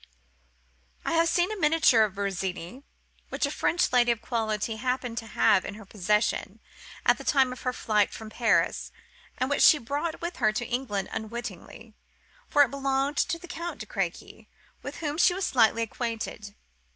"I have seen a miniature of Virginie, which a French lady of quality happened to have in her possession at the time of her flight from Paris, and which she brought with her to England unwittingly; for it belonged to the Count de Crequy, with whom she was slightly acquainted.